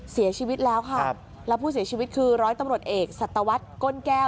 เสียชีวิตแล้วค่ะแล้วผู้เสียชีวิตคือร้อยตำรวจเอกสัตวรรษก้นแก้ว